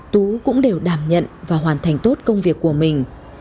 tú cũng đều đảm nhận và hoàn thành tốt công việc của mình